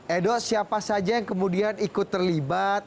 edo siapa saja yang kemudian ikut terlibat